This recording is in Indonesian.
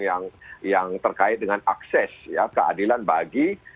yang terkait dengan akses keadilan bagi